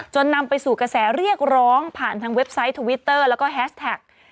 นำไปสู่กระแสเรียกร้องผ่านทางเว็บไซต์ทวิตเตอร์แล้วก็แฮสแท็ก